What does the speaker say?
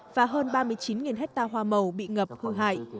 và hơn ba mươi chín hectare hoa màu bị ngập hư hại